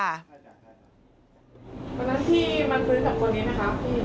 คนนั้นที่มาซื้อจากคนนี้ไหมครับพี่